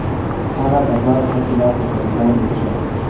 هغه د باغ حاصلات په غریبانو ویشل.